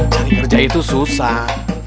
cari kerja itu susah